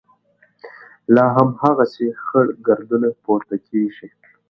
لا هم هماغسې خړ ګردونه پورته کېږي.